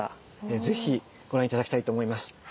是非ご覧頂きたいと思います。